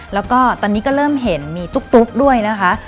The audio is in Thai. แล้วก็ตอนนี้ก็เริ่มเห็นมีตุ๊กด้วยนะคะ